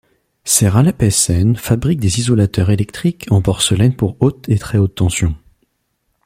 Ceralep Sn fabrique des isolateurs électriques en porcelaine pour haute et très haute tension.